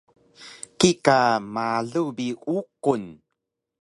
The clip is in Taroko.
kika malu bi uqun